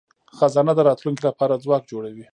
خزانه د راتلونکي لپاره ځواک جوړوي.